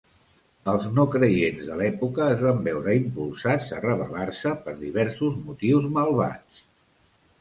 Els no creients de l'època es van veure impulsats a rebel·lar-se per diversos motius malvats.